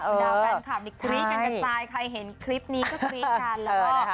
บรรดาแฟนคลับมิคคลีกกันกันตายใครเห็นคลิปนี้ก็คลีกกัน